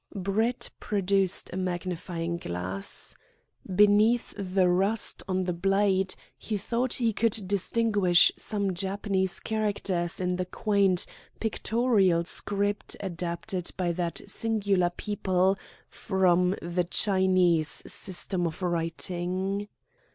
Brett produced a magnifying glass. Beneath the rust on the blade he thought he could distinguish some Japanese characters in the quaint pictorial script adapted by that singular people from the Chinese system of writing.